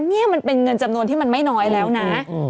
นี่มันเป็นเงินจำนวนที่มันไม่น้อยแล้วนะ